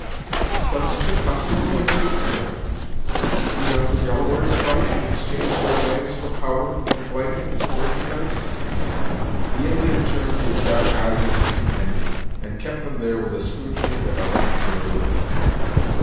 "Such is the custom of the whites, John. Do not the Delawares fight, and exchange their lands for powder, and blankets, and merchandise?" The Indian turned his dark eyes on his companion, and kept them there with a scrutiny that alarmed her a little.